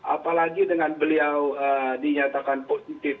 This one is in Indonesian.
apalagi dengan beliau dinyatakan positif